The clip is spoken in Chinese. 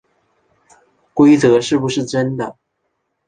规则是不是真的